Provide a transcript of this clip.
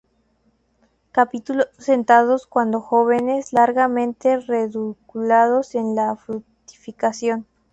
Capítulos sentados cuando jóvenes, largamente pedunculados en la fructificación.